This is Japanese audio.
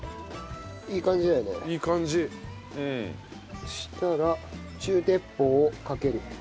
そしたら中鉄砲をかける。